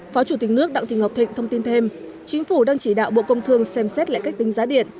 phó chủ tịch nước đặng thị ngọc thịnh thông tin thêm chính phủ đang chỉ đạo bộ công thương xem xét lại cách tính giá điện